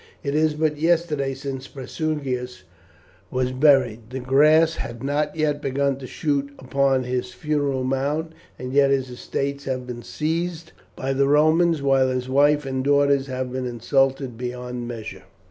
It is but yesterday since Prasutagus was buried. The grass has not yet begun to shoot upon his funeral mound and yet his estates have been seized by the Romans, while his wife and daughters have been insulted beyond measure.